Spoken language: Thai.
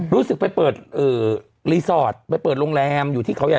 รู้สึกไปเปิดรีสอร์ทไปเปิดโรงแรมอยู่ที่เขาใหญ่